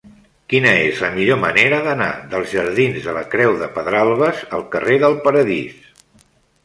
Quina és la millor manera d'anar dels jardins de la Creu de Pedralbes al carrer del Paradís?